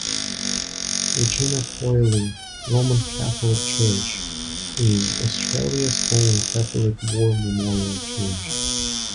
Regina Coeli Roman Catholic Church is Australia's only Catholic war memorial church.